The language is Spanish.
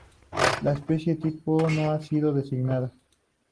La especie tipo no ha sido designada.